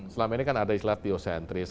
selama ini kan ada istilah teosentris